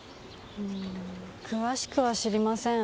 うん詳しくは知りません。